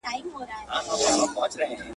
چي دي هر گړی زړه وسي په هوا سې.